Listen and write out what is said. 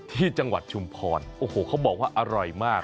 ที่จังหวัดชุมพรโอ้โหเขาบอกว่าอร่อยมาก